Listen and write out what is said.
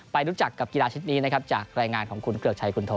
รู้จักกับกีฬาชิ้นนี้นะครับจากรายงานของคุณเกริกชัยคุณโท